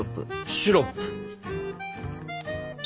シロップ。